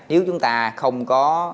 nếu chúng ta không có